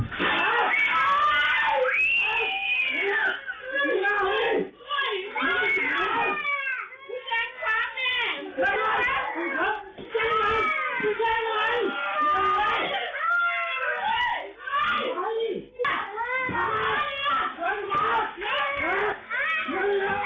พี่แจ้งพร้อมแม่